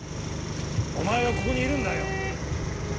お前はここにいるんだよ。